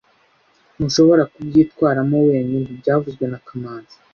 Ntushobora kubyitwaramo wenyine byavuzwe na kamanzi